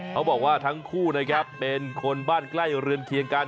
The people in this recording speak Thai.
เขาบอกว่าทั้งคู่นะครับเป็นคนบ้านใกล้เรือนเคียงกัน